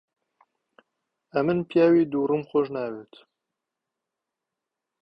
ئەمن پیاوی دووڕووم خۆش ناوێت.